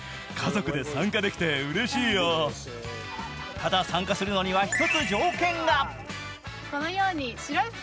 ただ参加するのには１つ条件が。